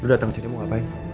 lo dateng ke sini mau ngapain